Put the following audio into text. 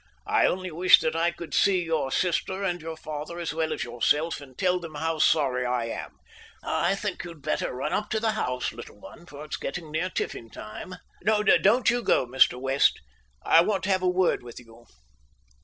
"I only wish that I could see your sister and your father as well as yourself, to tell them how sorry I am. I think you had better run up to the house, little one, for it's getting near tiffin time. No don't you go Mr. West. I want to have a word with you."